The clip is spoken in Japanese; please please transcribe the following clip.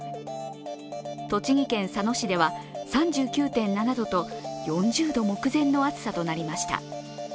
栃木県佐野市では３９．７度と４０度目前の暑さとなりました。